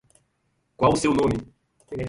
Qual o seu nome?